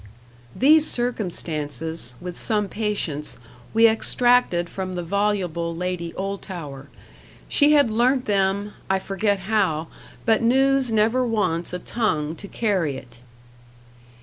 These circumstances, with some patience, we extracted from the voluble Lady Oldtower. She had learnt them I forget how: but news never wants a tongue to carry it.